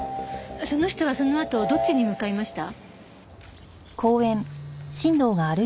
その人はそのあとどっちに向かいました？